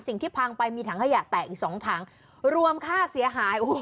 สิ่งที่พังไปมีถังขยะแตะอีกสองทางรวมค่าเสียหาย